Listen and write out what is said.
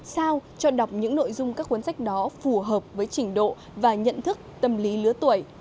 sao cho đọc những nội dung các cuốn sách đó phù hợp với trình độ và nhận thức tâm lý lứa tuổi